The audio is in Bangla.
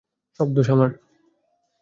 সব দোষ আমার।